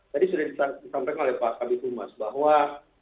tadi sudah disampaikan oleh pak sabi tumas bahwa